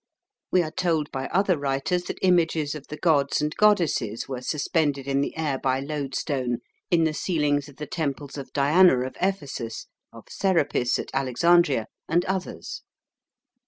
We are told by other writers that images of the gods and goddesses were suspended in the air by lodestone in the ceilings of the temples of Diana of Ephesus, of Serapis at Alexandria, and others.